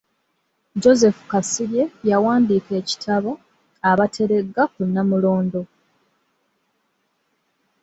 Joseph Kasirye yawandiika ekitabo “Abateregga ku Nnamulondo".